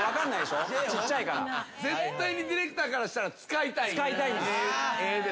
絶対にディレクターからしたら使いたい絵ですよね。